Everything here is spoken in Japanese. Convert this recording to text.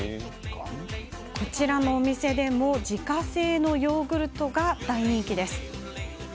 こちらのお店でも自家製のヨーグルトが大人気。